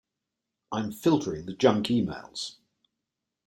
I'm filtering the junk emails.